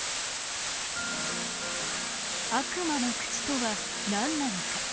「悪魔の口」とはなんなのか。